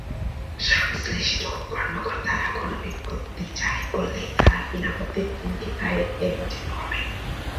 সংশ্লিষ্ট রিটার্নিং কর্মকর্তারা গণবিজ্ঞপ্তি জারি করলেই তাঁরা বিনা প্রতিদ্বন্দ্বিতায় নির্বাচিত হবেন।